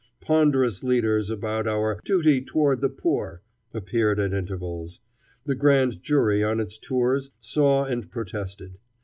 Ponderous leaders about our "duty toward the poor" appeared at intervals. The Grand Jury on its tours saw and protested.